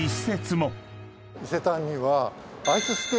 伊勢丹には。